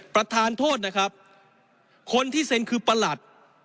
ประธานโทษนะครับคนที่เซ็นคือประหลัด